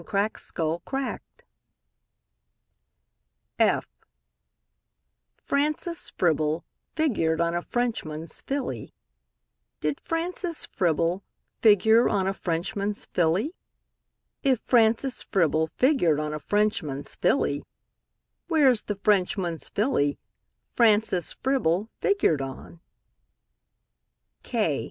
F f [Illustration: Francis Fribble] Francis Fribble figured on a Frenchman's Filly: Did Francis Fribble figure on a Frenchman's Filly? If Francis Fribble figured on a Frenchman's Filly, Where's the Frenchman's Filly Francis Fribble figured on?